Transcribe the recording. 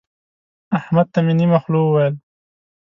احمد ته مې په نيمه خوله وويل.